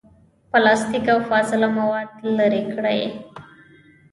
پلاستیک، او فاضله مواد لرې کړي.